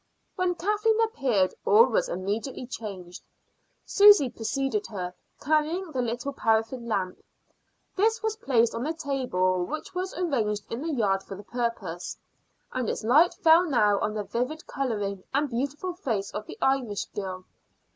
When Kathleen appeared all was immediately changed. Susy preceded her, carrying the little paraffin lamp. This was placed on the table which was arranged in the yard for the purpose, and its light fell now on the vivid coloring and beautiful face of the Irish girl.